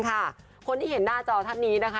คนที่เห็นหน้าจอท่านนี้นะคะ